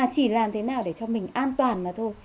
chỉ làm thế nào để cho mình an toàn mà thôi